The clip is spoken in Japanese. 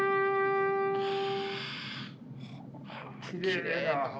きれいな。